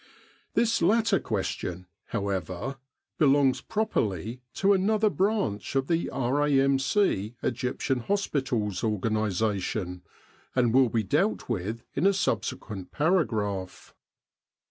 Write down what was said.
This latter question, however, belongs properly to another branch of the R.A.M.C. Egyptian hospitals organisation, and will be dealt with in a subsequent paragraph.